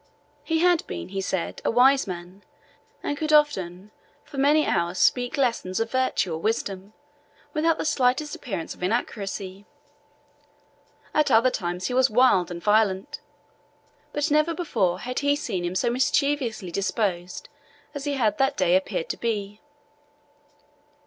He had been, he said, a wise man, and could often for many hours together speak lessons of virtue or wisdom, without the slightest appearance of inaccuracy. At other times he was wild and violent, but never before had he seen him so mischievously disposed as he had that day appeared to be.